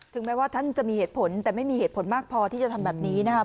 แม้ว่าท่านจะมีเหตุผลแต่ไม่มีเหตุผลมากพอที่จะทำแบบนี้นะครับ